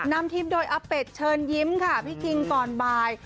ทิพย์โดยอาเป็ดเชิญยิ้มค่ะพี่คิงก่อนบ่าย